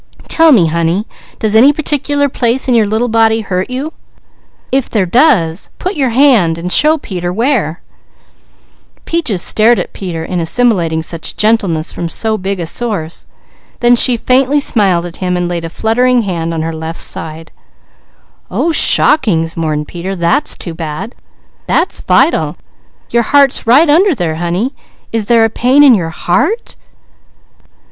Tell me honey, does any particular place in your little body hurt you? If there does, put your hand and show Peter where." Peaches stared at Peter, then she faintly smiled at him and laid a fluttering hand on her left side. "Oh shockings!" mourned Peter. "That's too bad! That's vital! Your heart's right under there, honey. Is there a pain in your _heart?